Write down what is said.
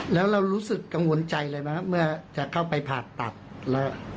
แล้วเรารู้สึกกังวลใจเลยไหมครับเมื่อจะเข้าไปผ่าตัดแล้ว